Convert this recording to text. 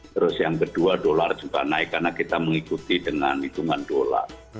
terus yang kedua dolar juga naik karena kita mengikuti dengan hitungan dolar